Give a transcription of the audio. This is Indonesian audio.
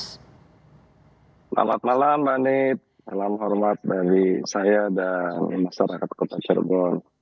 selamat malam mbak nid salam hormat dari saya dan masyarakat kota cirebon